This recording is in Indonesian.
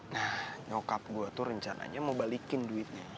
nah nyokap gue tuh rencananya mau balikin duitnya